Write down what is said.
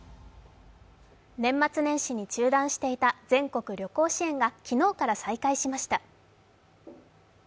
年末年始に中断していた全国旅行支援が昨日から再開しました。